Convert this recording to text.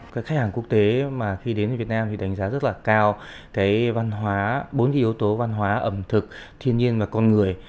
các khách hàng quốc tế mà khi đến việt nam thì đánh giá rất là cao cái văn hóa bốn cái yếu tố văn hóa ẩm thực thiên nhiên và con người